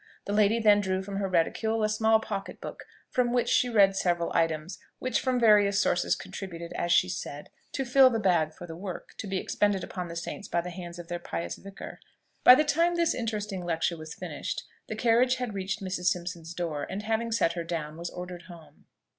The lady then drew from her reticule a small pocket book, from which she read several items, which from various sources contributed, as she said, "to fill a bag for the Work," to be expended upon the saints by the hands of their pious vicar. By the time this interesting lecture was finished, the carriage had reached Mrs. Simpson's door, and having set her down, was ordered home.